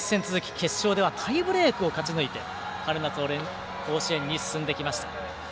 決勝ではタイブレークを勝ち抜いて、春夏甲子園に進んできました。